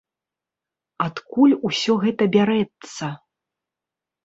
Адкуль усё гэта бярэцца?